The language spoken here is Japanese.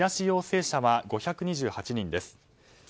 陽性者は５２８人です。